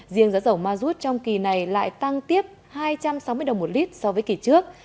riêng giá dầu ma rút trong kỳ này lại tăng tiếp hai trăm sáu mươi đồng một lít so với kỳ trước